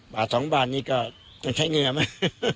บาท๒บาทนี้ก็ต้องใช้เงินมา